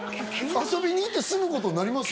遊びに行って住むことになります？